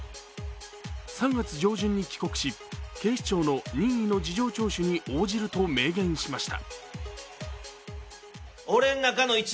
３月上旬に帰国し警視庁の任意の事情聴取に応じると明言しました。